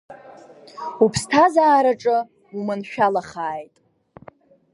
Уԥсҭазаараҿы уманшәалахааит.